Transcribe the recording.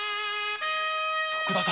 徳田様！